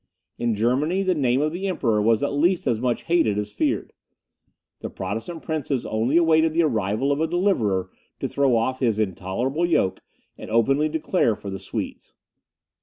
In Germany, the name of the Emperor was at least as much hated as feared. The Protestant princes only awaited the arrival of a deliverer to throw off his intolerable yoke, and openly declare for the Swedes.